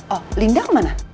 oh linda kemana